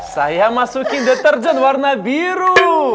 saya masukin deterjen warna biru